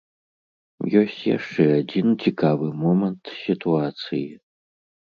Ёсць яшчэ адзін цікавы момант сітуацыі.